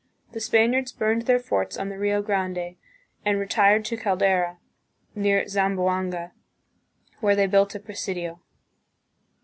The Spaniards burned their forts on the Rio Grande and retired to Caldera, near Zamboanga, where they built a presidio.